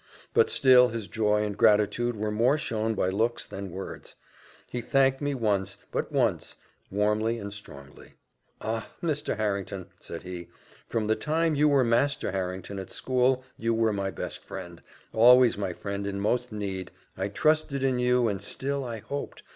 But still his joy and gratitude were more shown by looks than words. He thanked me once, and but once, warmly and strongly. "Ah! Mr. Harrington," said he, "from the time you were Master Harrington at school, you were my best friend always my friend in most need I trusted in you, and still I hoped!